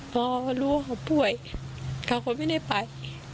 เพราะร่วงว่าเขาป่วยเขาเขาไม่ได้ไป